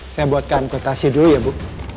saya buatkan kotasi dulu ya bu